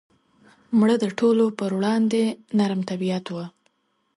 مړه د ټولو پر وړاندې نرم طبیعت وه